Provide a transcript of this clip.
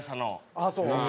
ああそう？